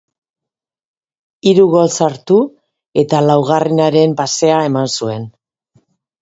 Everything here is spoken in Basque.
Hiru gol sartu, eta laugarrenaren pasea eman zuen.